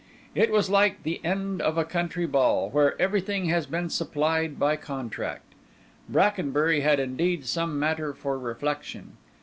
It was like the end of a country ball, where everything has been supplied by contract. Brackenbury had indeed some matter for reflection.